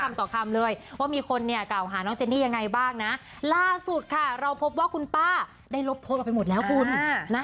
คำต่อคำเลยว่ามีคนเนี่ยกล่าวหาน้องเจนนี่ยังไงบ้างนะล่าสุดค่ะเราพบว่าคุณป้าได้ลบโพสต์ออกไปหมดแล้วคุณนะ